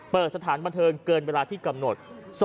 เปิดสถานบันเทิงเกินเวลาที่กำหนด